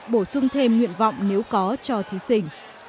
bổ sung thêm nguyện vọng nếu có cho thí sinh